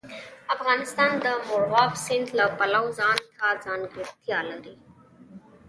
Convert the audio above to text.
افغانستان د مورغاب سیند له پلوه ځانته ځانګړتیا لري.